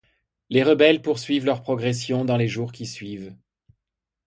Les rebelles poursuivent leur progression dans la jours qui suivent.